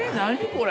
これ。